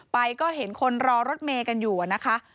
ไปก็เห็นคนรอรถเมย์กันอยู่นะคะ